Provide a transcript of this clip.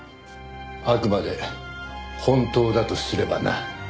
あくまで本当だとすればな。